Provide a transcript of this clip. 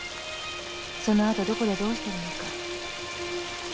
その後どこでどうしてるのか。